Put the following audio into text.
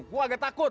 gua agak takut